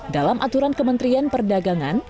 dalam aturan kementerian perdagangan